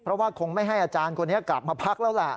เพราะว่าคงไม่ให้อาจารย์คนนี้กลับมาพักแล้วล่ะ